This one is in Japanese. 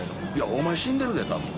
お前死んでるでたぶん。